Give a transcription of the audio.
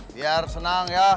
biar senang ya